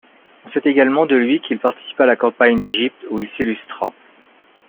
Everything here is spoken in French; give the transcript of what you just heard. On sait également de lui qu'il participa à la campagne d'Égypte, ou il s'illustra.